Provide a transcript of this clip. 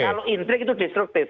kalau intrik itu destruktif